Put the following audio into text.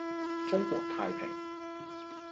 中國太平